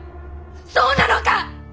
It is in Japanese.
そうなのか！？